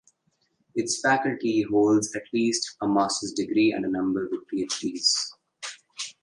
Its faculty holds at least a master's degree and a number with PhDs.